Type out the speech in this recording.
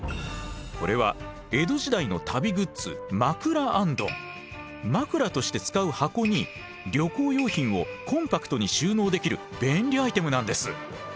これは江戸時代の旅グッズ枕として使う箱に旅行用品をコンパクトに収納できる便利アイテムなんです。